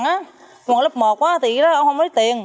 nhưng mà lớp một thì ông không lấy tiền